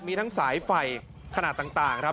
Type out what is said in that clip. มีทั้งสายไฟขนาดต่างครับ